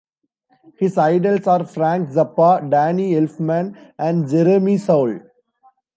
His idols are Frank Zappa, Danny Elfman, and Jeremy Soule.